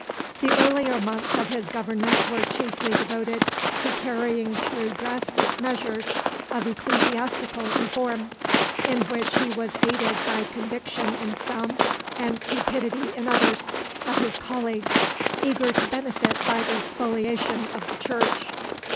The earlier months of his government were chiefly devoted to carrying through drastic measures of ecclesiastical reform, in which he was aided by conviction in some, and cupidity in others, of his colleagues, eager to benefit by the spoliation of the Church.